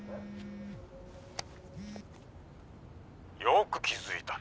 よく気付いたな。